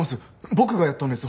僕がやったんです。